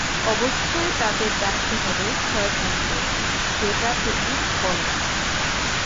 অবশ্যই তাদের ডাকতে হবে শয়তানকে, যেটা তুমি করোনি।